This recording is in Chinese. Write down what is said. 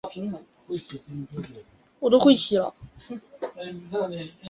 艾奥瓦镇区为美国堪萨斯州多尼芬县辖下的镇区。